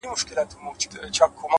هوډ ستړې لارې لنډوي’